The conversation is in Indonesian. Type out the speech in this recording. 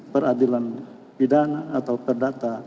peradilan pidana atau perdata